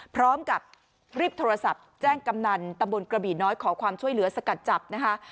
พร้อมกับรีบโทรศัพท์แจ้งกำนันตำบลกระบี่น้อยขอความช่วยเหลือสกัดจับนะคะ